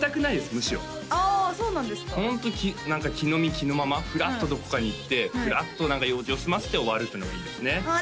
むしろあそうなんですかホント着の身着のままふらっとどこかに行ってふらっと用事を済ませて終わるっていうのがいいですねああ